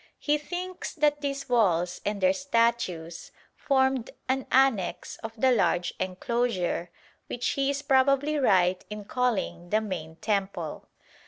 He thinks that these walls and their statues formed an annexe of the large enclosure which he is probably right in calling the main temple.